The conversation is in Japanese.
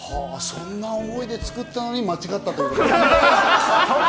そんな思いで作ったのに間違ったと。